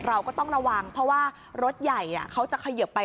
เราก็ต้องระวังเพราะว่ารถใหญ่เขาจะเขยิบไป